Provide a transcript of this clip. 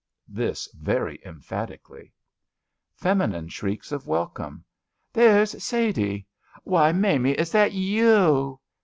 This very emphatically. Feminine shrieks of welcome: There's Sadie! '''' Why, Maimie, is that yeou!